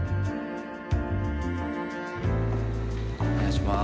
お願いします。